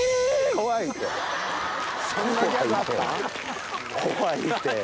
怖いって。